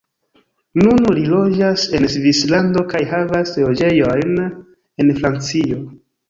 Nun li loĝas en Svislando kaj havas loĝejojn en Francio.